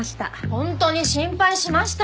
本当に心配しましたよ。